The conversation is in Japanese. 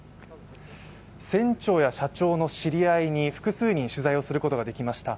船長や社長の知り合いに複数人、取材をすることができました。